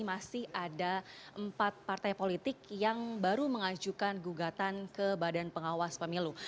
masih ada empat partai politik yang baru mengajukan gugatan ke badan pengawas pemilu